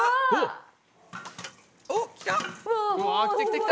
おっきた！